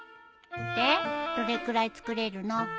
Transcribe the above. でどれくらい作れるの？